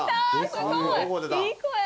すごいいい声。